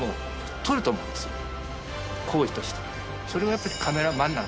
行為として。